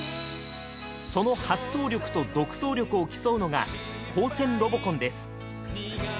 その発想力と独創力を競うのが高専ロボコンです。